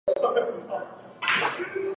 要安抚她的心情